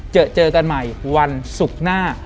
เจอเจอกันใหม่วันศุกร์หน้า